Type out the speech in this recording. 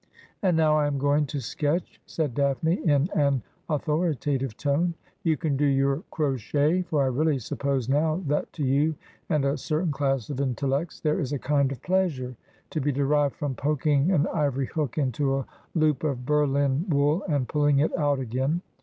And now I am going to sketch,' said Daphne in an authoritative tone. ' You can do your crochet : for I really suppose now that to you and a certain class of intel lects there is a kind of pleasure to be derived from poking an ivory hook into a loop of berlin wool and pulling it out again.